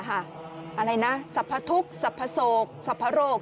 อะไรนะสรรพทุกข์สรรพโศกสรรพโรค